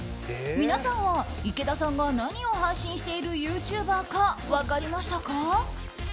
皆さんは池田さんが何を配信しているユーチューバーか分かりましたか？